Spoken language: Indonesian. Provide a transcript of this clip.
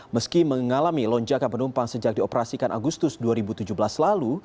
meski mengalami lonjakan penumpang sejak dioperasikan agustus dua ribu tujuh belas lalu